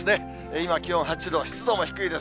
今、気温８度、湿度も低いです。